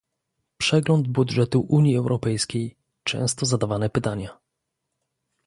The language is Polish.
"Przegląd budżetu Unii Europejskiej - Często zadawane pytania"